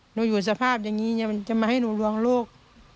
อยู่สภาพอย่างนี้มันจะมาให้หนูลวงลูก